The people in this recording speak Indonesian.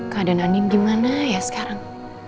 keadaan andin gimana ya sekarang